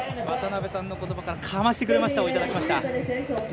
渡辺さんのことばから「かましてくれました」をもらいました。